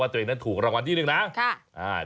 ว่าตัวเองนั้นถูกรางวัลที่๑นะ